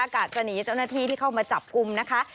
กะจะหนีเจ้าหน้าที่ที่เข้ามาจับกลุ่มนะคะ